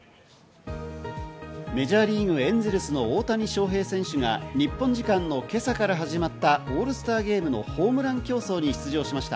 メジャーリーグ・エンゼルスの大谷翔平選手が日本時間の今朝から始まったオールスターゲームのホームラン競争に出場しました。